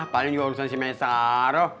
paling juga urusan si mesaro